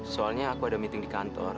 soalnya aku ada meeting di kantor